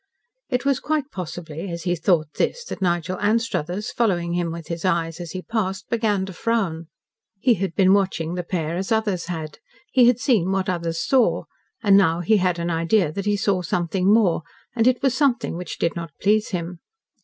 It was, quite possibly, as he thought this that Nigel Anstruthers, following him with his eyes as he passed, began to frown. He had been watching the pair as others had, he had seen what others saw, and now he had an idea that he saw something more, and it was something which did not please him.